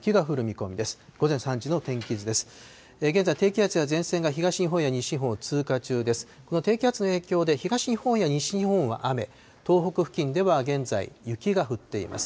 この低気圧の影響で、東日本や西日本は雨、東北付近では現在、雪が降っています。